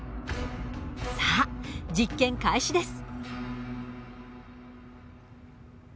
さあ実験開始です。